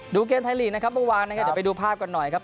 เกมไทยลีกนะครับเมื่อวานนะครับเดี๋ยวไปดูภาพกันหน่อยครับ